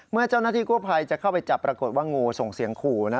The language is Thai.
เมื่อเจ้าหน้าที่กู้ภัยจะเข้าไปจับปรากฏว่างูส่งเสียงขู่นะ